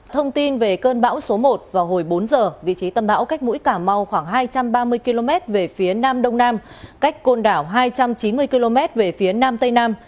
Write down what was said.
thông tin về cơn bão số một vào hồi bốn giờ vị trí tâm bão cách mũi cà mau khoảng hai trăm ba mươi km về phía nam đông nam cách côn đảo hai trăm chín mươi km về phía nam tây nam